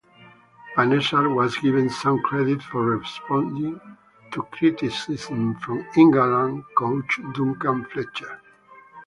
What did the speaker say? Panesar was given some credit for responding to criticism from England coach Duncan Fletcher.